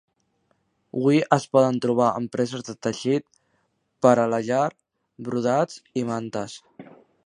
Hui es poden trobar empreses de tèxtil per a la llar, brodats i mantes.